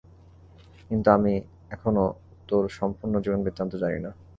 কিন্তু আমি এখনও তোর সম্পূর্ণ জীবন-বৃত্তান্ত জানি না।